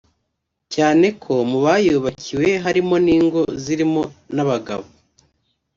cyane ko mu bayubakiwe harimo n’ingo zirimo n’abagabo